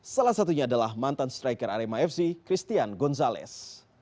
salah satunya adalah mantan striker arema fc christian gonzalez